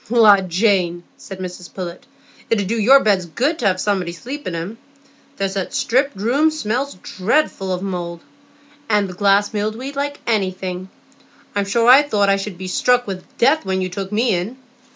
"La, Jane," said Mrs Pullet, "it 'ud do your beds good to have somebody to sleep in 'em. There's that striped room smells dreadful mouldy, and the glass mildewed like anything. I'm sure I thought I should be struck with death when you took me in."